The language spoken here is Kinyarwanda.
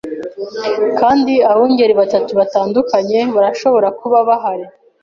Kandi abungeri batatu batandukanye barashobora kuba bahari